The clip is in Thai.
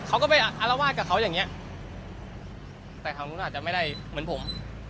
เขาก็ไปอารวาสกับเขาอย่างเงี้ยแต่ทางนู้นอาจจะไม่ได้เหมือนผม